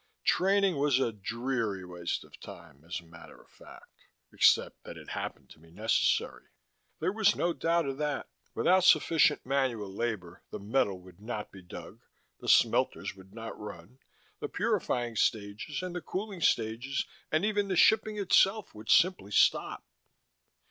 Training was a dreary waste of time, as a matter of fact except that it happened to be necessary. There was no doubt of that: without sufficient manual labor, the metal would not be dug, the smelters would not run, the purifying stages and the cooling stages and even the shipping itself would simply stop.